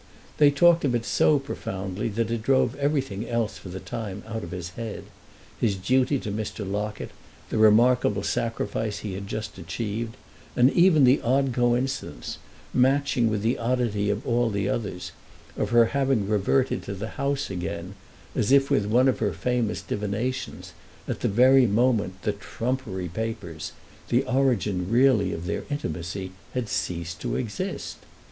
They talked of it so profoundly that it drove everything else for the time out of his head—his duty to Mr. Locket, the remarkable sacrifice he had just achieved, and even the odd coincidence, matching with the oddity of all the others, of her having reverted to the house again, as if with one of her famous divinations, at the very moment the trumpery papers, the origin really of their intimacy, had ceased to exist.